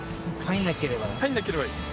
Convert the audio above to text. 入らなければいい。